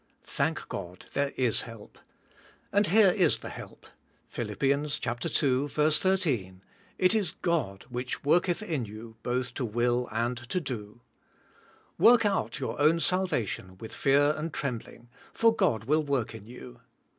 Thank God, there is help. And here is the help, Phil. 2:13: "It is God which worketh in you both to will and to do." "Work out your own salvation with fear and trembling ," for God will work in you.